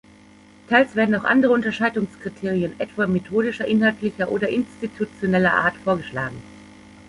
Teils werden auch andere Unterscheidungskriterien, etwa methodischer, inhaltlicher oder institutioneller Art, vorgeschlagen.